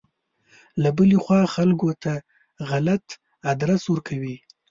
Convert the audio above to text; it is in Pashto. له بلې خوا خلکو ته غلط ادرس ورکوي.